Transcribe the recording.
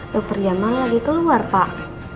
dokter jamal lagi keluar pak